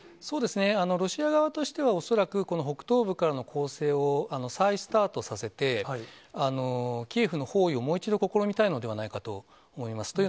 そうですね、ロシア側としては恐らく、この北東部からの攻勢を再スタートさせて、キエフの包囲をもう一度、試みたいのではないかと思います。